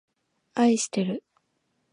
あいしてる